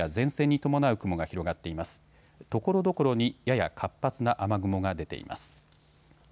ところどころに、やや活発な雨雲が出ています。